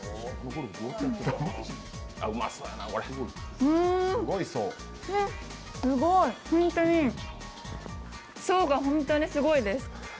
うん、すごい、層が本当にすごいです。